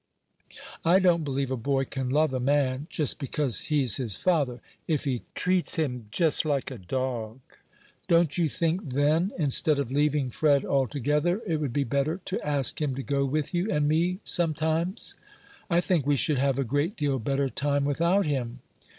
"I don't believe a boy can love a man, just because he's his father, if he treats him just like a dog." "Don't you think, then, instead of leaving Fred altogether, it would be better to ask him to go with you and me sometimes?" "I think we should have a great deal better time without him."